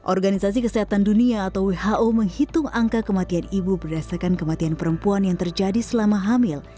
organisasi kesehatan dunia atau who menghitung angka kematian ibu berdasarkan kematian perempuan yang terjadi selama hamil